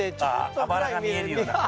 あばらが見えるような。